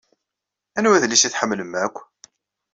Anwa adlis i tḥemmlem akk?